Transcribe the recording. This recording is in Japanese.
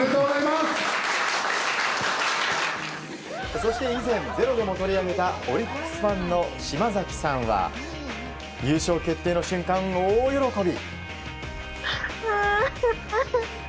そして、以前「ｚｅｒｏ」でも取り上げたオリックスファンの嶋崎さんは優勝決定の瞬間、大喜び。